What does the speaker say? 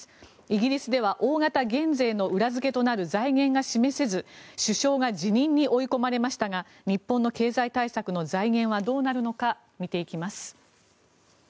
イギリスでは大型減税の裏付けとなる財源が示せず首相が辞任に追い込まれましたが日本の経済対策の財源はどうなるのか見ていきます。